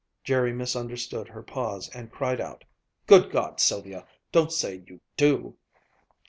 Jerry misunderstood her pause and cried out: "Good God! Sylvia! Don't say you _do.